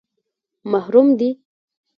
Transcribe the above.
_محرم دي؟